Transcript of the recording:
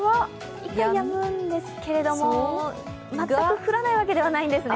一旦やむんですけれども、全く降らないわけではないんですね。